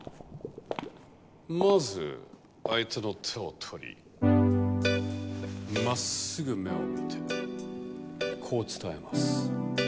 まず相手の手を取りまっすぐ目を見てこう伝えます。